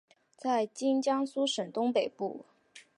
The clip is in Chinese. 在今江苏省东北部。